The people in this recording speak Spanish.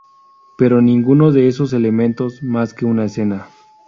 Pero ninguno de esos elementos más que una escena.